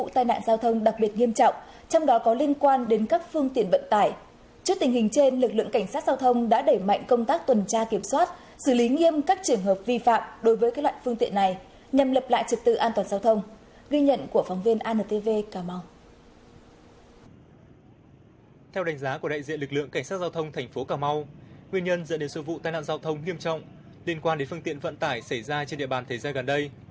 theo đánh giá của đại diện lực lượng cảnh sát giao thông thành phố cà mau nguyên nhân dẫn đến sự vụ tai nạn giao thông nghiêm trọng liên quan đến phương tiện vận tải xảy ra trên địa bàn thời gian gần đây